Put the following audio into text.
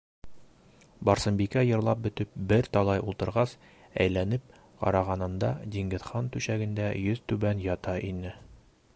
Барсынбикә йырлап бөтөп, бер талай ултырғас әйләнеп ҡарағанында Диңгеҙхан түшәгендә йөҙ түбән ята ине.